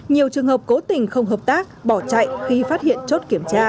nhiều trường hợp cố tình không hợp tác bỏ chạy khi phát hiện chốt kiểm tra